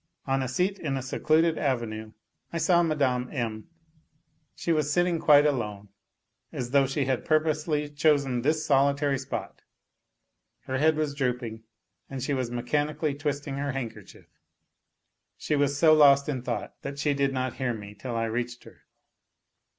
On a seat in a secluded avenue I saw Mme. M. She was sitting quite alone, as though she had pur posely chosen this solitary spot, her head was drooping and she was mechanically twisting her handkerchief. She was so lost in thought that she did not hear me till I reached her.